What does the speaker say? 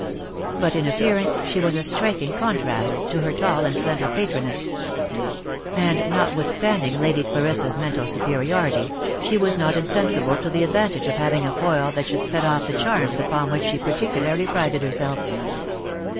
But in appearance she was a striking contrast to her tall and slender patroness; and, notwithstanding Lady Clarissa's mental superiority, she was not insensible to the advantage of having a foil that should set off the charms upon which she particularly prided herself.